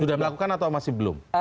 sudah melakukan atau masih belum